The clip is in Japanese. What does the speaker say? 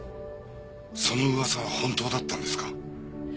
その噂は本当だったんですか？